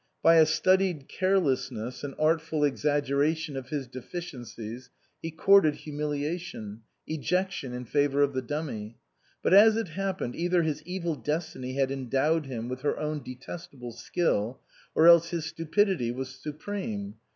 By a studied carelessness, an artful exaggeration of his deficiencies, he courted humiliation, ejection in favour of the dummy. But as it happened, either his evil destiny had endowed him with her own detest able skill, or else his stupidity was supreme.